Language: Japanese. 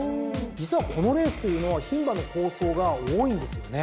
実はこのレースというのは牝馬の好走が多いんですよね。